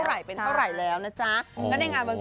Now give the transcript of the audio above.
แล้วคือคุณเจนนี่อายุ๓๕พี่เปิ้ล